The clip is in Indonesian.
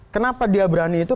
kenapa dia berani itu